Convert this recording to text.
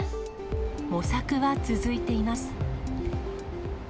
模索は続いています。